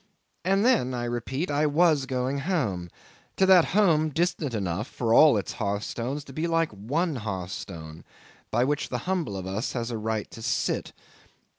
And then, I repeat, I was going home to that home distant enough for all its hearthstones to be like one hearthstone, by which the humblest of us has the right to sit.